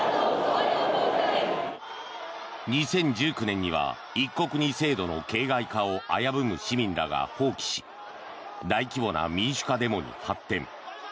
２０１９年には一国二制度の形骸化を危ぶむ市民らが蜂起し大規模な民主化デモに発展。